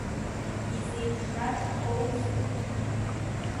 Изеиԥшра ҽқәоузеи!